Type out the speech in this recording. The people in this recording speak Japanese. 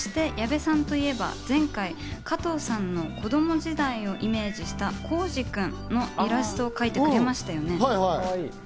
そして矢部さんといえば前回、加藤さんの子供時代をイメージしたこうじくんのイラストを描いてくれましたよね。